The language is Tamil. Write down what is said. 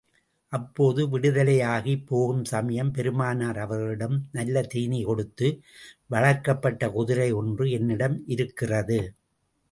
அப்போது விடுதலையாகிப் போகும் சமயம் பெருமானார் அவர்களிடம் நல்ல தீனி கொடுத்து வளர்க்கப்பட்ட குதிரை ஒன்று என்னிடம் இருக்கிறது.